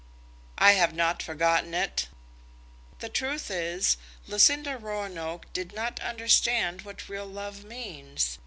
"I have not forgotten it." "The truth is, Lucinda Roanoke did not understand what real love means.